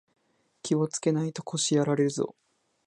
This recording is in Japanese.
気をつけないと腰やられるぞ